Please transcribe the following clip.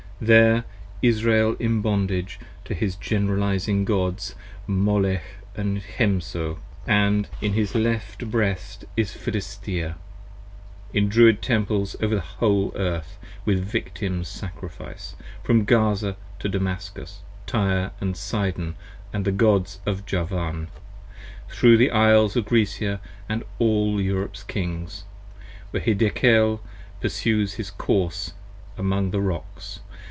30 There Israel in bondage to his Generalizing Gods, Molech & Chemosh, & in his left breast is Philistea In Druid Temples over the whole Earth with Victim's Sacrifice, From Gaza to Damascus, Tyre & Sidon & the Gods Of Javan, thro' the Isles of Grecia & all Europe's Kings, 35 Where Hiddekel pursues his course among the rocks.